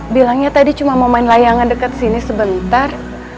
bilangnya tadi cuma mau main layangan dekat sini sebentar